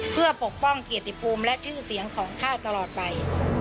เพื่อปกป้องเกียรติภูมิและชื่อเสียงของข้าวตลอดไป